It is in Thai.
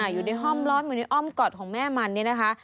อยู่ในห้อมร้อนอยู่ในอ้อมกอดของแม่มันเนี่ยนะคะ